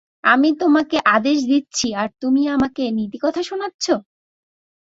আমি তোমাকে আদেশ দিচ্ছি আর তুমি আমাকে নীতিকথা শোনাচ্ছো?